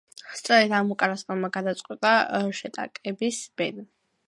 სწორედ ამ უკანასკნელმა გადაწყვიტა შეტაკების ბედი.